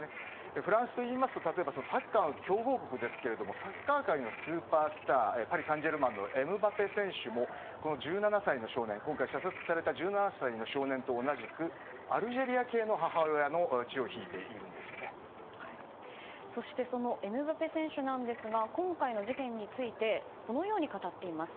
フランスといいますとサッカーの強豪国ですがサッカー界のスーパースターパリ・サンジェルマンのエムバペ選手も今回射殺された１７歳の少年と同じく、アルジェリア系のそして、そのエムバペ選手は今回の事件についてこのように語っています。